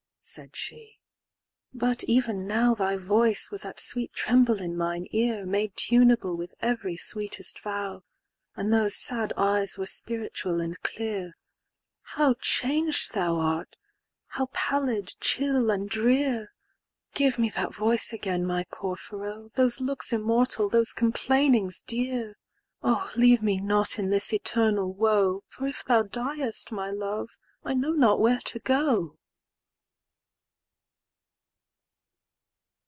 said she, "but even now"Thy voice was at sweet tremble in mine ear,"Made tuneable with every sweetest vow;"And those sad eyes were spiritual and clear:"How chang'd thou art! how pallid, chill, and drear!"Give me that voice again, my Porphyro,"Those looks immortal, those complainings dear!"Oh leave me not in this eternal woe,"For if thou diest, my Love, I know not where to go."